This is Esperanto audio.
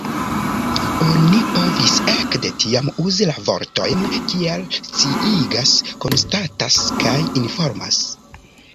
Oni povis ekde tiam uzi la vortojn kiel „sciigas“, „konstatas“ kaj „informas“.